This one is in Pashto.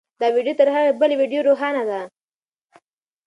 دا ویډیو تر هغې بلې ویډیو روښانه ده.